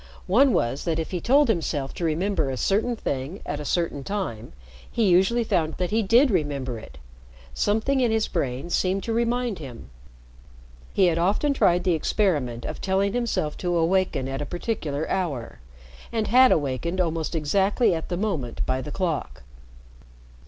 One was that if he told himself to remember a certain thing at a certain time, he usually found that he did remember it. Something in his brain seemed to remind him. He had often tried the experiment of telling himself to awaken at a particular hour, and had awakened almost exactly at the moment by the clock.